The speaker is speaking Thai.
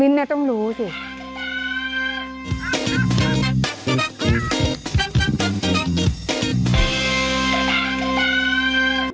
นิ้นนะต้องรู้สิ